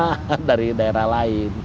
tapi yang dapat nama dari daerah lain